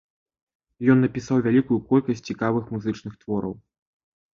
Ён напісаў вялікую колькасць цікавых музычных твораў.